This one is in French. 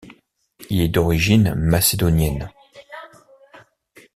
Il est d'origine macédonienne.